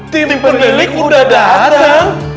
tim penilik udah dateng